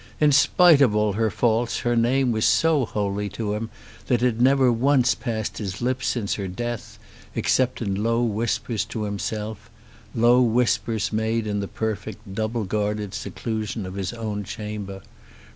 In spite of all her faults her name was so holy to him that it had never once passed his lips since her death, except in low whispers to himself, low whispers made in the perfect, double guarded seclusion of his own chamber.